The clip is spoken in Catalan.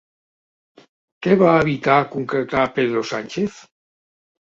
Què va evitar concretar Pedro Sánchez?